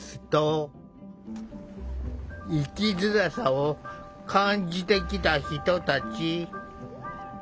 生きづらさを感じてきた人たち。